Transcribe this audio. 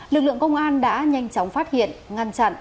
lực lượng công an đã nhanh chóng phát hiện ngăn chặn